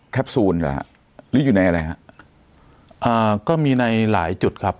ซูลเหรอฮะหรืออยู่ในอะไรฮะอ่าก็มีในหลายจุดครับ